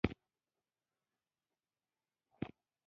کابل ولې د غرونو په منځ کې پروت دی؟